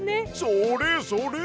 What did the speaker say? それそれ！